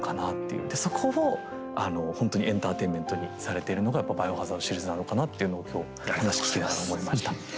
でそこをほんとにエンターテインメントにされてるのが「バイオハザード」シリーズなのかなっていうのを今日話聞きながら思いました。